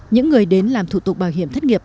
những người đến làm thủ tục bảo hiểm thất nghiệp